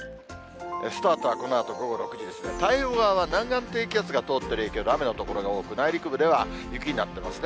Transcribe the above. スタートはこのあと午後６時ですが、太平洋側は南岸低気圧が通っている影響で雨が多く、内陸部では雪になってますね。